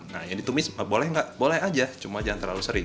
nah yang ditumis boleh nggak boleh aja cuma jangan terlalu sering